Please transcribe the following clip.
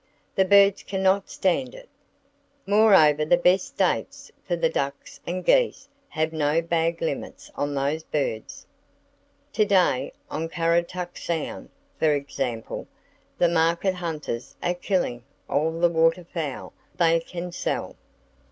The birds can not stand it. Moreover, the best states for ducks and geese have no bag limits on those birds! To day, on Currituck Sound, for example, the market hunters are killing all the waterfowl they can sell.